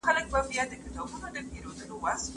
د خلګو هیلې ژوندۍ وې.